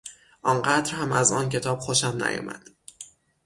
آنقدر هم از آن کتاب خوشم نیامد.